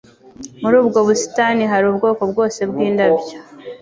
Muri ubwo busitani hari ubwoko bwose bwindabyo.